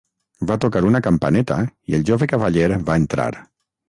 Va tocar una campaneta i el jove cavaller va entrar.